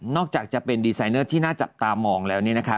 จากจะเป็นดีไซเนอร์ที่น่าจับตามองแล้ว